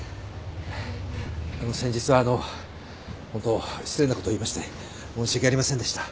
先日はあのうホント失礼なことを言いまして申し訳ありませんでした。